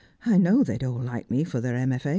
'I know they'd all like me for their M. F.